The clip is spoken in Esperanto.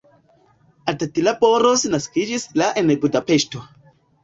Attila Boros naskiĝis la en Budapeŝto.